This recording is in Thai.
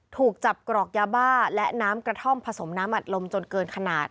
ถูกจับกรอกยาบ้าและน้ำกระท่อมผสมน้ำอัดลมจนเกินขนาด